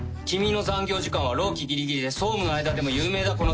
君の残業時間は労基ギリギリで総務の間でも有名だ。